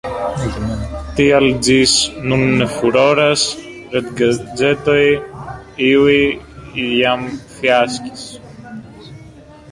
Tial ĝis nun ne furoras retgazetoj, iuj jam fiaskis.